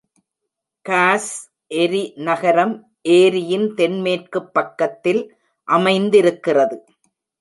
Cos ஏரி நகரம் ஏரியின் தென்மேற்குப் பக்கத்தில் அமைந்திருக்கிறது.